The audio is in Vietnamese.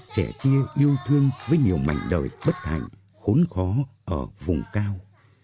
sẻ chia yêu thương với nhiều mảnh đời bất hạnh khốn khó ở vùng cao